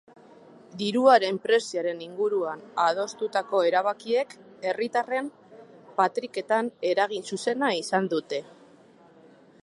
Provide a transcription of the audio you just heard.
Diruaren prezioaren inguruan adostutako erabakiek herritarren patriketan eragin zuzena izan dute.